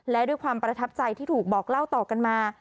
และด้วยความประทับใจที่ถูกบอกเล่าต่อกันมา